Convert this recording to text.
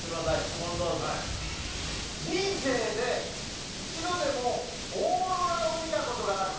人生で一度でもオーロラを見た事がある。